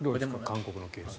韓国のケースは。